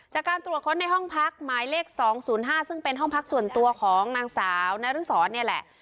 จากการตรวจค้นในห้องพักหมายเลข๒๐๕ซึ่งเป็นห้องพักส่วนตัวของนางสาวนรสรเนี่ยแหละ